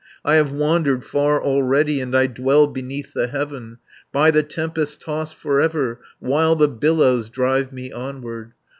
I have wandered far already, And I dwell beneath the heaven, By the tempest tossed for ever, While the billows drive me onward.